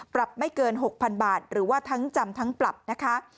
ปรับไม่เกิน๖๐๐๐บาทหรือว่าทั้งจำทั้งปรับนะคะ